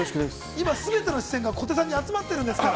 ◆今、全ての視線が小手さんに集まってるんですから。